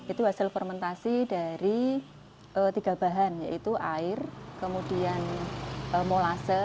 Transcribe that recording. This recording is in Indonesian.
itu hasil fermentasi dari tiga bahan yaitu air kemudian molase